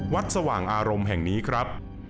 สว่างอารมณ์แห่งนี้ครับ